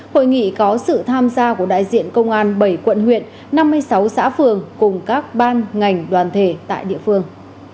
hội nghị có sự tham gia của đại diện công an bảy quận huyện năm mươi sáu xã phường cùng các ban ngành đoàn thể tại địa phương